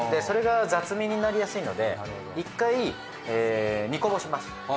それが雑味になりやすいので１回煮こぼします。